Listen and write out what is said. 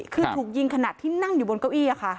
คือถูกยิงขณะที่นั่งอยู่บนเก้าอี้ค่ะ